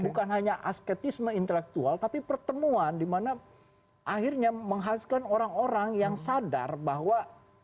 bukan hanya asketisme intelektual tapi pertemuan dimana akhirnya menghasilkan orang orang yang sadar bahwa